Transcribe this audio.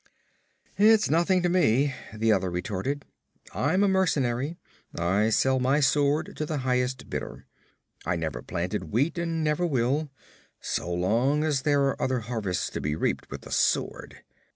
'It's nothing to me,' the other retorted. 'I'm a mercenary. I sell my sword to the highest bidder. I never planted wheat and never will, so long as there are other harvests to be reaped with the sword.